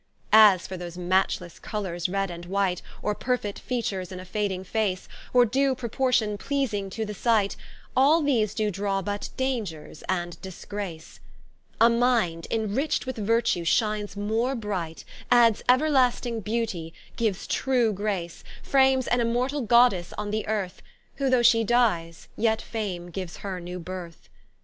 As for those matchlesse colours Red and White, Or perfit features in a fading face, Or due proportion pleasing to the sight; All these doe draw but dangers and disgrace: A mind enrich'd with Virtue, shines more bright, Addes everlasting Beauty, gives true grace, Frames an immortall Goddesse on the earth, Who though she dies, yet Fame gives her new berth.